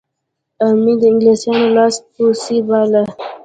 امیر د انګلیسیانو لاس پوڅی باله.